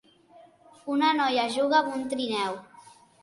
Una noia juga amb un trineu.